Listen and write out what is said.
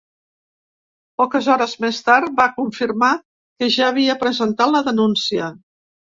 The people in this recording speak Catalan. Poques hores més tard va confirmar que ja havia presentat la denúncia.